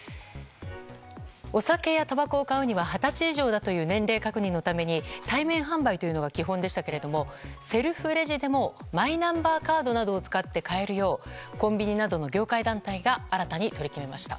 お酒やたばこを買うには二十歳以上という年齢確認のために対面販売というのが基本でしたがセルフレジでもマイナンバーカードなどを使って買えるようコンビニなどの業界団体が新たに取り決めました。